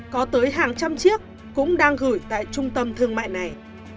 có tới hàng trăm chiếc cũng đang gửi tại trung tâm thương mại này